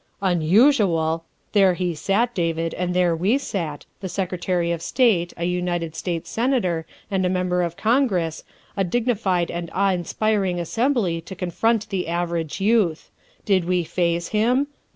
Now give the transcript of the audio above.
'' Unusual ! There he sat, David, and there we sat the Secretary of State, a United States Senator, and a Member of Congress, a dignified and awe inspiring as sembly to confront the average youth. Did we faze him?